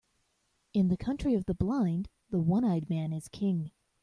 In the country of the blind, the one-eyed man is king.